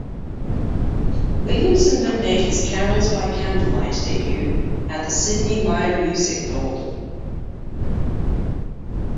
Williamson then made his Carols By Candlelight debut at the Sidney Myer Music Bowl.